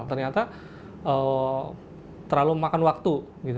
ternyata terlalu memakan waktu